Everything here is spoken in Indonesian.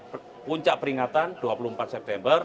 puncak peringatan dua puluh empat september